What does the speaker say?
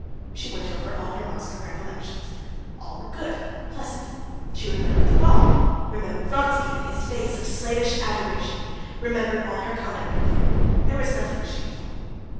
She went over all her Moscow recollections. All were good, pleasant. She remembered the ball, remembered Vronsky and his face of slavish adoration, remembered all her conduct with him: there was nothing shameful.